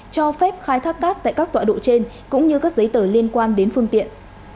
cho phép khai thác cát tại các tọa độ trên cũng như các giấy tờ liên quan đến phương tiện